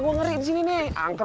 gua ngeri disini nih